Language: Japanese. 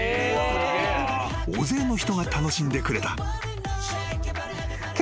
［大勢の人が楽しんでくれた］